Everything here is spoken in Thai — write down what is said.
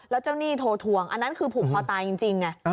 แล้วเจ้าหนี้โทรทวงอันนั้นคือผูกคอตายจริงไง